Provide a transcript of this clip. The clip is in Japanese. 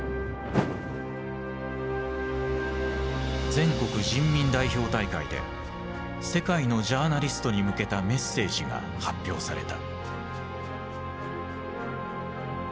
全国人民代表大会で世界のジャーナリストに向けたメッセージが発表された。